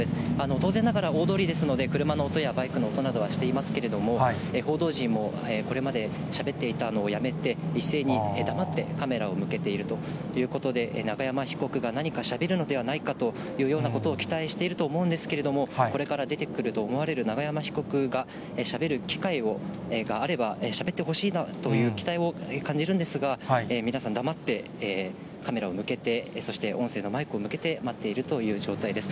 当然ながら、大通りですので、車の音やバイクの音などはしていますけれども、報道陣もこれまでしゃべっていたのをやめて、一斉に黙ってカメラを向けているということで、永山被告が何かしゃべるのではないかということを期待していると思うんですけれども、これから出てくると思われる永山被告がしゃべる機会があれば、しゃべってほしいなという期待を感じるんですが、皆さん、黙ってカメラを向けて、そして音声のマイクを向けて待っているという状態です。